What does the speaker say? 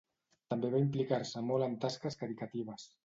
També va implicar-se molt en tasques caritatives.